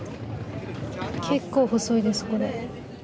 結構細いですこれ。